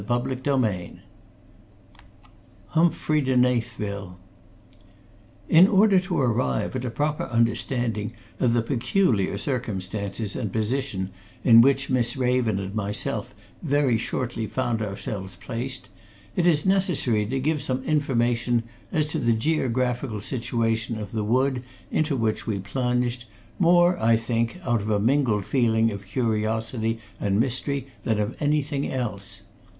CHAPTER XVII HUMFREY DE KNAYTHVILLE In order to arrive at a proper understanding of the peculiar circumstances and position in which Miss Raven and myself very shortly found ourselves placed, it is necessary to give some information as to the geographical situation of the wood into which we plunged, more I think, out of a mingled feeling of curiosity and mystery than of anything else.